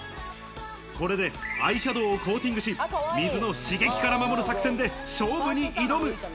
これでアイシャドウをコーティングし、水の刺激から守る作戦で勝負に挑む。